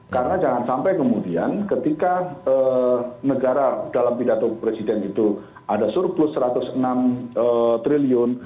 karena jangan sampai kemudian ketika negara dalam pidato presiden itu ada surplus satu ratus enam triliun